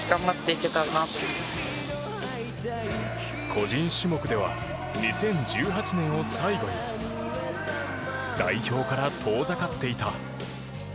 個人種目では２０１８年を最後に代表から遠ざかっていた